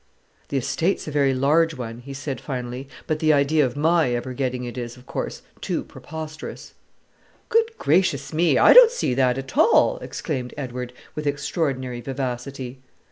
"The estate's a very large one," he said finally; "but the idea of my ever getting it is, of course, too preposterous." "Good gracious me! I don't see that at all," exclaimed Edward with extraordinary vivacity.